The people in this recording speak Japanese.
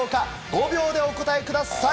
５秒でお答えください！